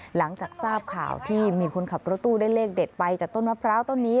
หลังจากทราบข่าวที่มีคนขับรถตู้ได้เลขเด็ดไปจากต้นมะพร้าวต้นนี้